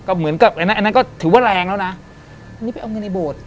เหมือนกับอันนั้นอันนั้นก็ถือว่าแรงแล้วนะอันนี้ไปเอาเงินในโบสถ์